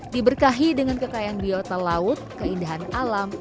diberkahi dengan kekayaan biota laut keindahan alam